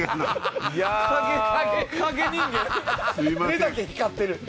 目だけ光ってるロボ。